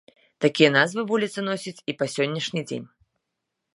Такія назвы вуліцы носяць і па сённяшні дзень.